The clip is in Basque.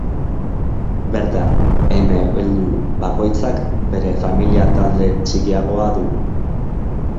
Bertan eme heldu bakoitzak bere familia-talde txikiagoa du.